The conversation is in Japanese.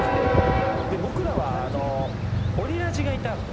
僕らはオリラジがいたんで。